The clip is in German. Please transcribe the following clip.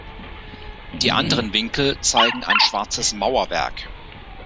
Die anderen Winkel zeigen ein schwarzes Mauerwerk.